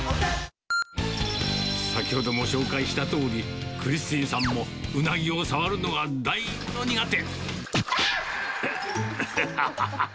先ほども紹介したとおり、クリスティンさんもうなぎを触るのが大の苦手。